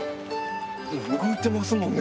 動いてますもんね